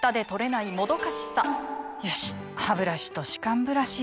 よしハブラシと歯間ブラシでと。